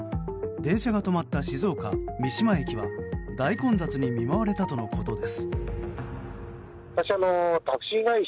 電車が止まった静岡・三島駅は大混乱に見舞われたということです。